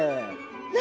何？